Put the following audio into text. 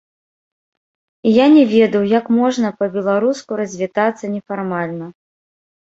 І я не ведаў, як можна па-беларуску развітацца нефармальна.